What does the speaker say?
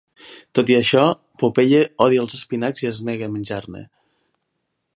Tot i això, Popeye odia els espinacs i es nega a menjar-ne.